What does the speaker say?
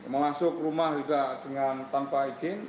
masuk rumah juga dengan tanpa izin